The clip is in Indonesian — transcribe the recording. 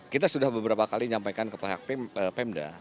kita sudah beberapa kali nyampaikan ke pemda